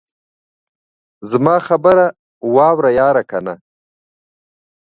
زما خبره واوره ياره کنه.